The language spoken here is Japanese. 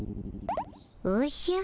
おじゃ。